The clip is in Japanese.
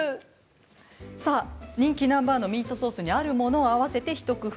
さあ人気ナンバー１のミートソースにあるものを合わせてひと工夫。